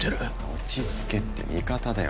落ち着けって味方だよ